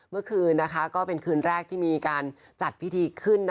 เมื่อคืนก็เป็นคืนแรกที่มีการจัดพิธีขึ้น